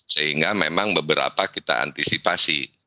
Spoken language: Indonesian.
sehingga memang beberapa kita antisipasi